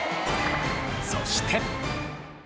そして。